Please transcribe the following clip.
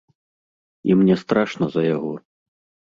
І мне страшна за яго.